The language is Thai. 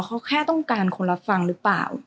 เขาแค่ต้องการคนรับฟังหรือเปล่า